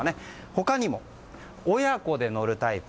他にも、親子で乗るタイプ。